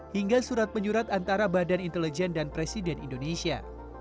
hingga surat menyurat antara badan intelijen dan presiden indonesia